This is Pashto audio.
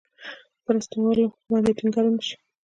پر استولو باندې ټینګار ونه شي.